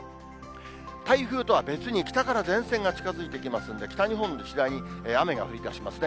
台風とは別に北から前線が近づいてきますんで、北日本、次第に雨が降りだしますね。